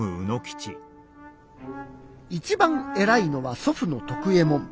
一番偉いのは祖父の徳右衛門。